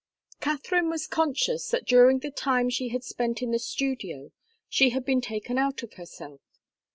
Katharine was conscious that during the time she had spent in the studio she had been taken out of herself.